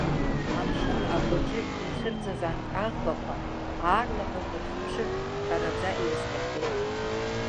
Амшын агәаҿы ицәырҵыз анҭ аӷбақәа, аарлаҳәа унархьыԥшыртә, хараӡа иҩаскьахьеит.